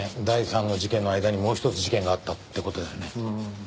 第三の事件の間にもう一つ事件があったって事だよね。